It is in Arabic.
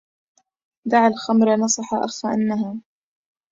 دع الخمر نصح أخ إنها